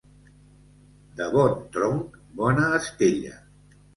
De bon tronc, bona estella.